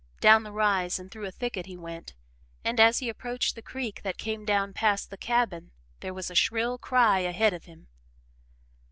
Down the rise and through a thicket he went, and as he approached the creek that came down past the cabin there was a shrill cry ahead of him.